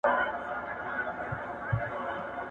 چي په خره دي کار نه وي، اشه مه ورته وايه.